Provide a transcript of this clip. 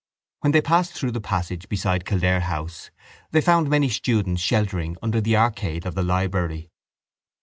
When they passed through the passage beside Kildare house they found many students sheltering under the arcade of the library.